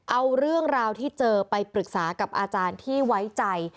เอาเรื่องราวที่เจอไปปรึกษากับอาจารย์ที่ไว้ใจ